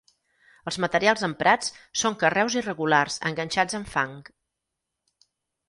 Els materials emprats són carreus irregulars enganxats amb fang.